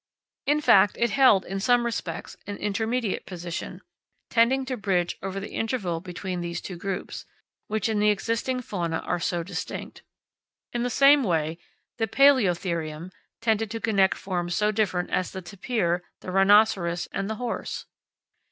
In fact, it held, in some respects, an intermediate position, tending to bridge over the interval between these two groups, which in the existing fauna are so distinct. In the same way, the Palaeotherium tended to connect forms so different as the tapir, the rhinoceros, and the horse.